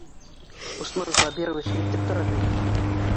Усман Сабирович әйтеп тора бит...